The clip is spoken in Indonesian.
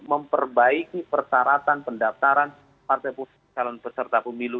memperbaiki persyaratan pendaftaran partai peserta pemilu